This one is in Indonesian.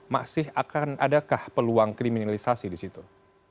masih akan adakah peluang kriminalisasi di situ